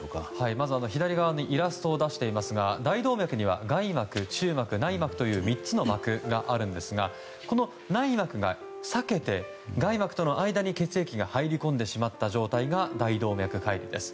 まず左側にイラストを出していますが大動脈には外膜、中膜、内膜という３つの膜があるんですがこの内膜が裂けて外膜との間に血液が入り込んでしまった状態が大動脈解離です。